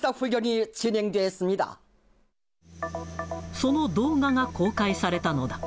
その動画が公開されたのだ。